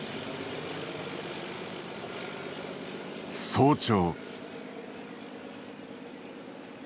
早朝。